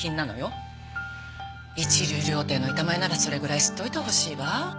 「一流料亭の板前ならそれぐらい知っておいてほしいわ」